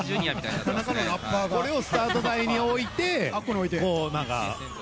これをスタート台に置いているんです。